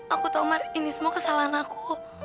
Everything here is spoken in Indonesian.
aku tahu mar ini semua kesalahan aku